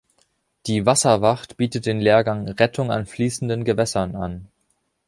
Die "Wasserwacht" bietet den Lehrgang „Rettung an fließenden Gewässern“ an.